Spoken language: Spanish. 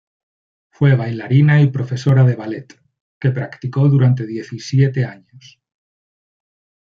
Fue bailarina y profesora de ballet, que practicó durante diecisiete años.